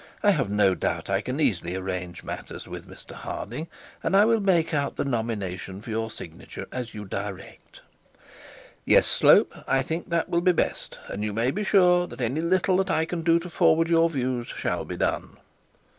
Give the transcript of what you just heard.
I have no doubt I can easily arrange matters with Mr Harding, and I will make out the nomination for your signature as you direct.' 'Yes, Slope, I think that will be best; and you may be sure that any little that I can do to forward your views shall be done.'